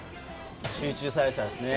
集中されてたんですね。